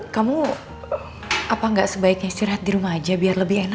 kamu apa nggak sebaiknya istirahat di rumah aja biar lebih enak